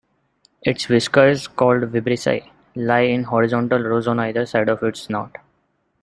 Its whiskers, called vibrissae, lie in horizontal rows on either side of its snout.